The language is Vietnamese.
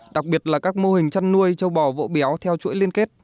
đặc biệt là các mô hình chăn nuôi châu bò vỗ béo theo chuỗi liên kết